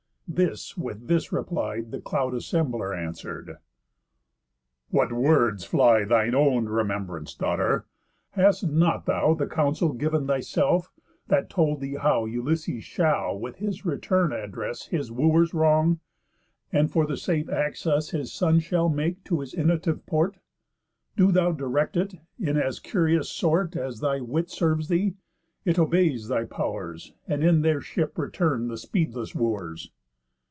This, with this reply, The Cloud assembler answer'd: "What words fly Thine own remembrance, daughter? Hast not thou The counsel giv'n thyself, that told thee how Ulysses shall with his return address His Wooers wrong? And, for the safe access His son shall make to his innative port, Do thou direct it, in as curious sort As thy wit serves thee; it obeys thy pow'rs; And in their ship return the speedless Wooers."